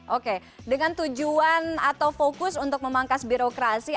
oke dengan tujuan atau fokus untuk memangkas birokrasi